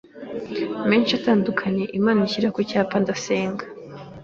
menshi atandukanye, Imana inshyira ku cyapa ndasenga